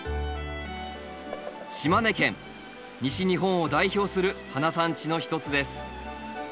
西日本を代表する花産地の一つです。